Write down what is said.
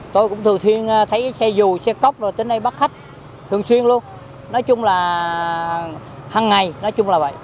tôi cũng thường thường thấy xe dù xe cốc đến đây bắt khách thường xuyên luôn nói chung là hằng ngày nói chung là vậy